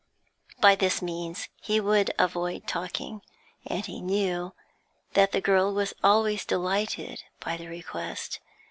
By this means he would avoid talking, and he knew that the girl was always delighted by the request.